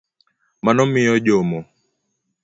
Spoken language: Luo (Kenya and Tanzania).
Mano miyo jomo